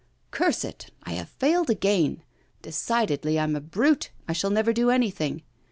'Curse it I have failed again. Decidedly, I'm a brute, I shall never do anything.